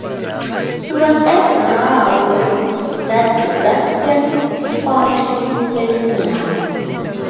It was at Rahway that Braxton found his place in life.